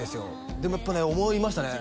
でもやっぱね思いましたね